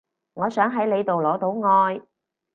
我想喺你度攞到愛